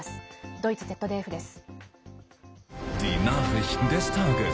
ドイツＺＤＦです。